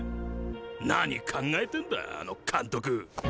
何考えてんだあの監督。